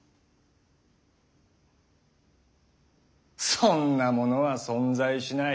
そんなものは存在しない。